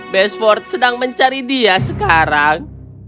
bestport sedang mencari dia sekarang